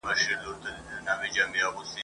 له سینې څخه یې ویني بهېدلې ..